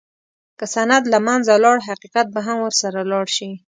که سند له منځه لاړ، حقیقت به هم ورسره لاړ شي.